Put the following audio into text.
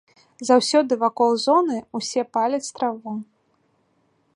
Заўсёды вакол зоны ўсе паляць траву.